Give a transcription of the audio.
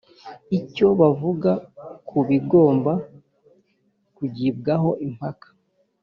icyo bavuga ku bigomba kugibwaho impaka